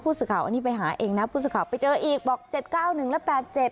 ผู้สุดข่าวอันนี้ไปหาเองนะผู้สุดข่าวไปเจออีกบอกเจ็ดเก้าหนึ่งและแปดเจ็ด